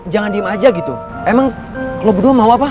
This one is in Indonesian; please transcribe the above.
jangan diem aja gitu emang kalau berdua mau apa